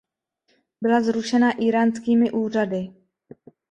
Byla zrušena íránskými úřady.